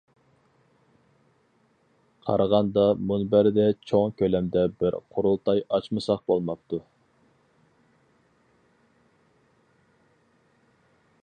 قارىغاندا مۇنبەردە چوڭ كۆلەمدە بىر قۇرۇلتاي ئاچمىساق بولماپتۇ.